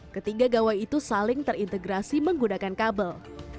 ketiga gawai itu saling terintegrasi menggunakan kabel